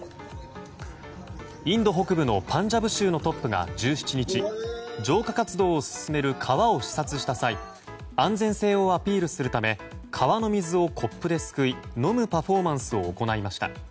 インド北部のパンジャブ州のトップが１７日浄化活動を進める川を視察した際安全性をアピールするため川の水をコップですくい飲むパフォーマンスを行いました。